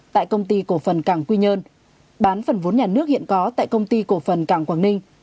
tại công ty cổ phần cảng quy nhơn bán phần vốn nhà nước hiện có tại công ty cổ phần cảng quảng ninh